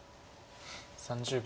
３０秒。